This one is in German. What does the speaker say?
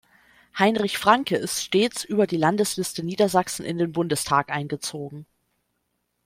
Heinrich Franke ist stets über die Landesliste Niedersachsen in den Bundestag eingezogen.